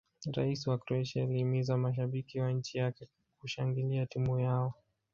rais wa croatia alihimiza mashabiki wa nchi yake kushangilia timu yao